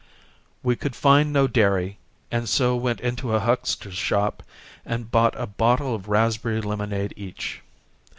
We could find no dairy and so we went into a huckster's shop and bought a bottle of raspberry lemonade each.